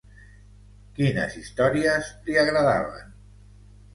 Quines històries li agradaven?